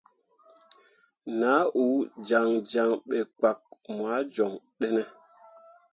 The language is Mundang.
Nah uu jaŋjaŋ ɓe kpak moah joŋ ɗene.